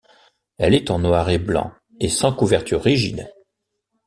Elle est en noir et blanc et sans couverture rigide.